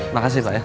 makasih pak ya